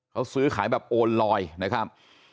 เขาซื้อขายแบบโอนลอยนะครับ